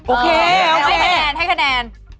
โอเคให้คะแนน